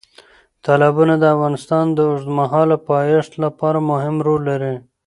تالابونه د افغانستان د اوږدمهاله پایښت لپاره مهم رول لري.